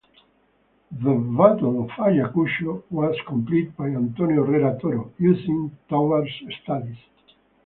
The "Battle of Ayucucho" was completed by Antonio Herrera Toro, using Tovar's studies.